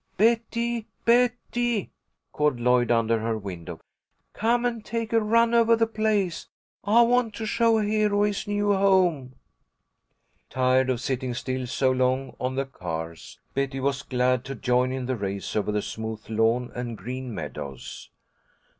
"Betty! Betty!" called Lloyd, under her window. "Come and take a run over the place. I want to show Hero his new home." Tired of sitting still so long on the cars, Betty was glad to join in the race over the smooth lawn and green meadows.